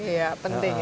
iya penting ini